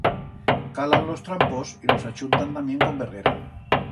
Calan los trampos y los achuntan tamién con verguera.